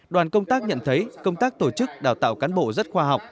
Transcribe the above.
đoàn công tác nhận thấy công tác tổ chức đào tạo cán bộ rất khoa học